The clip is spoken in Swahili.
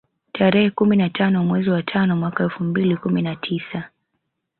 Tarehe kumi na tano mwezi wa tano mwaka elfu mbili kumi na tisa